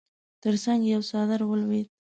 تر څنګ يې يو څادر ولوېد.